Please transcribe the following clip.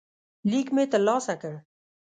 لیک مې ترلاسه کړ.